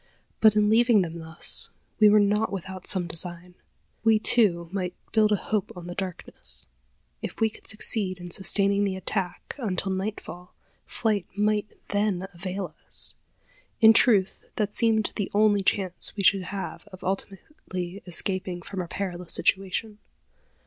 But in leaving them thus, we were not without some design. We, too, might build a hope on the darkness. If we could succeed in sustaining the attack until nightfall, flight might then avail us. In truth, that seemed the only chance we should have of ultimately escaping from our perilous situation.